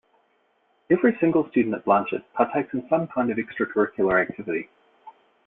Every single student at Blanchet partakes in some kind of extracurricular activity.